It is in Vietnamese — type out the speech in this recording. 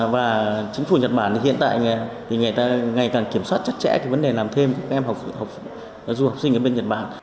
và chính phủ nhật bản hiện tại thì ngày càng kiểm soát chất trẻ thì vấn đề làm thêm các em du học sinh ở bên nhật bản